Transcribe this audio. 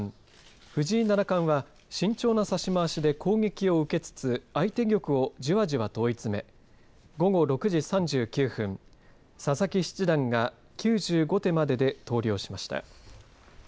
藤井七冠は慎重な指し回しで攻撃を受けつつ相手玉を、じわじわと追い詰め午後６時３９分佐々木七段が９５手までで投了しました。